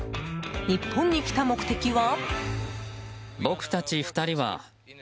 日本に来た目的は？